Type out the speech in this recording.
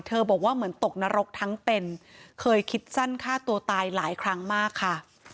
บอกว่าเหมือนตกนรกทั้งเป็นเคยคิดสั้นฆ่าตัวตายหลายครั้งมากค่ะ